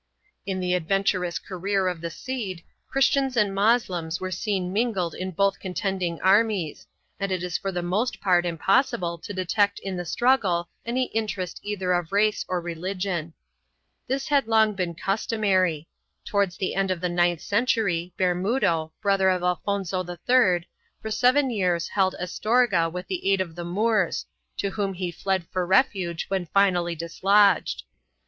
In the adventurous career of the Cid, Christians and Moslems are seen mingled in both contending armies, and it is for the most part impossible to detect in the struggle any interest either of race or religion.2 This had long been customary. Towards the end of the ninth century, Bermudo, > brother of Alfonso III, for seven years held Astorga with the aid of the Moors, to whom he fled for refuge when finally dislodged.